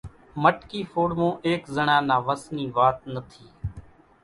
مٽڪي ڦوڙوون ايڪ زڻا نا وس ني وات نٿي